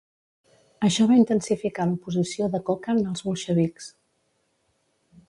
Això va intensificar l'oposició de Kokand als bolxevics.